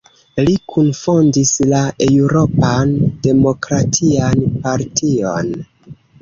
Li kunfondis la Eŭropan Demokratian Partion.